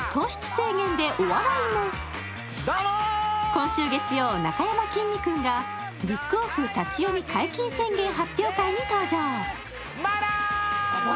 今週月曜、なかやまきんに君がブックオフ立ち読み解禁宣言発表会に登場。